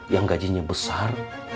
yang gajinya besar